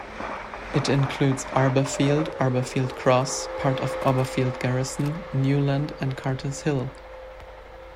It includes Arborfield, Arborfield Cross, part of Arborfield Garrison, Newland and Carter's Hill.